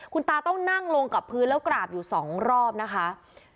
คุณตาต้องนั่งลงกับพื้นแล้วกราบอยู่สองรอบนะคะ